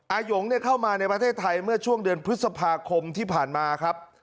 หยงเข้ามาในประเทศไทยเมื่อช่วงเดือนพฤษภาคมที่ผ่านมาครับ